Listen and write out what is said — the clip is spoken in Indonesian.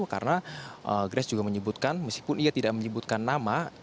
karena grace juga menyebutkan meskipun ia tidak menyebutkan nama